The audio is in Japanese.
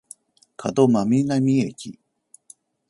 門真南駅